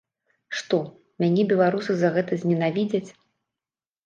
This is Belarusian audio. Што, мяне беларусы за гэта зненавідзяць?